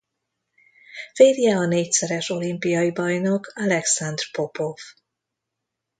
Férje a négyszeres olimpiai bajnok Alekszandr Popov.